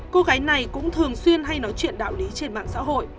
cô gái này cũng thường xuyên hay nói chuyện đạo lý trên mạng xã hội